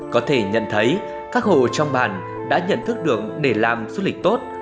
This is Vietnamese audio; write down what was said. có thể nhận thấy các hộ trong bản đã nhận thức được để làm du lịch tốt